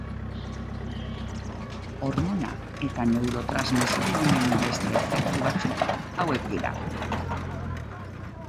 Hormona eta neurotransmisore honen beste efektu batzuk hauek dira.